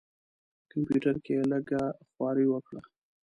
کمپیوټر کې یې لږه خواري وکړه.